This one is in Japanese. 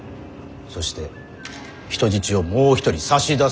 そして人質をもう一人差し出すべし。